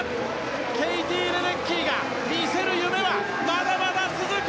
ケイティ・レデッキーが見せる夢は、まだまだ続く！